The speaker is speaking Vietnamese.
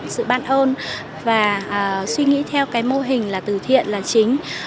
sự bàn ơn và suy nghĩ theo cái mô hình là từ thiện là chính